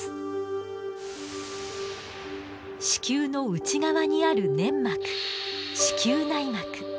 子宮の内側にある粘膜子宮内膜。